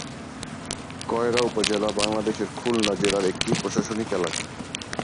কয়রা উপজেলা বাংলাদেশের খুলনা জেলার একটি প্রশাসনিক এলাকা।